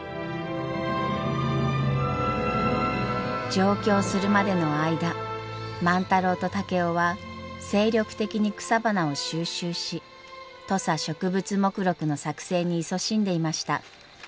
上京するまでの間万太郎と竹雄は精力的に草花を収集し土佐植物目録の作成にいそしんでいました。